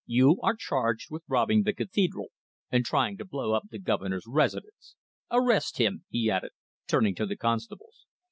"You are charged with robbing the cathedral and trying to blow up the Governor's residence. Arrest him!" he added, turning to the constables.